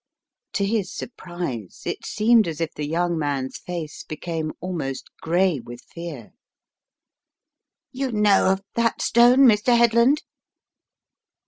To his surprise it seemed as if the young man's face became almost gray with fear, "You know of that stone, Mr. Headland?